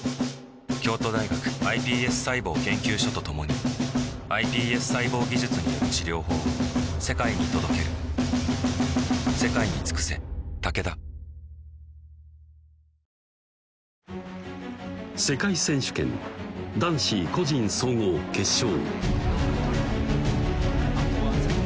京都大学ｉＰＳ細胞研究所と共にｉＰＳ細胞技術による治療法を世界に届ける世界選手権男子個人総合決勝